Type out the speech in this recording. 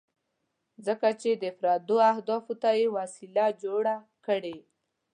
ځکه چې د پردو اهدافو ته یې وسیله جوړه کړې.